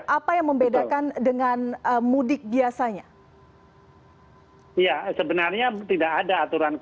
apa yang membedakan dengan